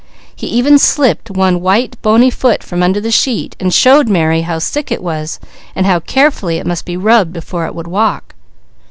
He even slipped one white, bony foot from under the sheet and showed Mary how sick it was, and how carefully it must be rubbed before it would walk.